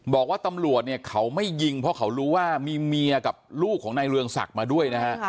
บอกว่าตำรวจเนี่ยเขาไม่ยิงเพราะเขารู้ว่ามีเมียกับลูกของนายเรืองศักดิ์มาด้วยนะฮะ